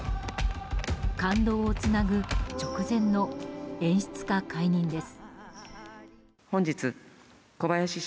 感動をつなぐ直前の演出家解任です。